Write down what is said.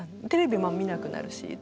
テレビも見なくなるし。